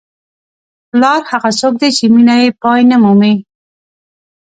پلار هغه څوک دی چې مینه یې پای نه مومي.